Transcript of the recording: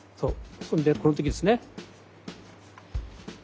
そんでこの時ですね